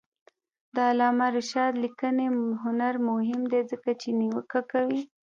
د علامه رشاد لیکنی هنر مهم دی ځکه چې نیوکه کوي.